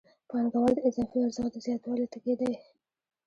پانګوال د اضافي ارزښت د زیاتوالي تږی دی